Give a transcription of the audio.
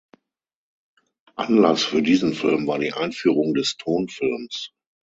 Anlass für diesen Film war die Einführung des Tonfilms.